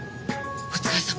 お疲れさま。